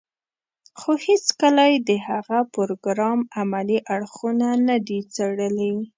خو هېڅکله يې د هغه پروګرام عملي اړخونه نه دي څېړلي.